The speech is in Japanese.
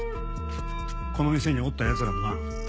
この店におった奴らもな。